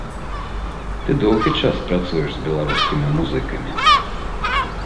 Ты доўгі час працуеш с беларускімі музыкамі.